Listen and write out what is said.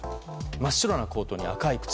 真っ白なコートに赤い靴。